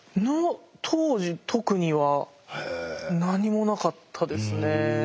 当時特には何もなかったですね。